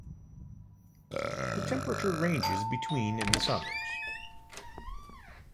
The temperature ranges between in the summers.